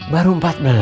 baru empat belas